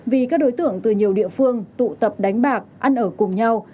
vì các đối tượng từ nhiều địa phương tụ tập đánh bạc ăn ở cùng nhau